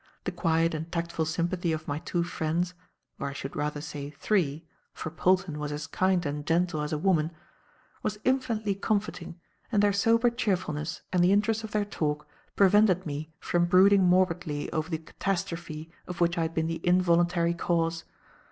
The quiet and tactful sympathy of my two friends or I should rather say three, for Polton was as kind and gentle as a woman was infinitely comforting and their sober cheerfulness and the interest of their talk prevented me from brooding morbidly over the catastrophe of which I had been the involuntary cause.